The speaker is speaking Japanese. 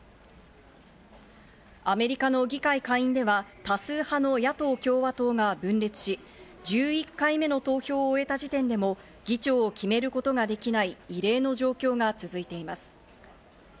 アメリカの議会下院では多数派の野党・共和党が分裂し、１１回目の投票を終えた時点でも議長を決めることができない異例の状況が続いています。